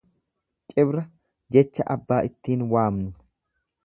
Cibra jecha abbaa ittiin waamnu